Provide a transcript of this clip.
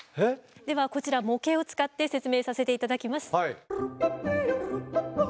ではこちら模型を使って説明させて頂きます。